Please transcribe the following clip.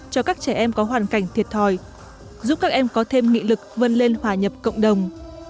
cho các trẻ em có hoàn cảnh thiệt thòi giúp các em có thêm nghị lực vươn lên hòa nhập cộng đồng